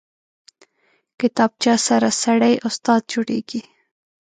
کتابچه سره سړی استاد جوړېږي